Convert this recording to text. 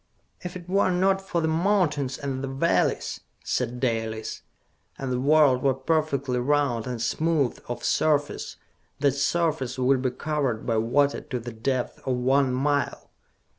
"If it were not for the mountains and the valleys," said Dalis, "and the world were perfectly round and smooth of surface, that surface would be covered by water to the depth of one mile!